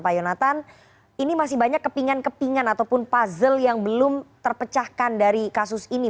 pak yonatan ini masih banyak kepingan kepingan ataupun puzzle yang belum terpecahkan dari kasus ini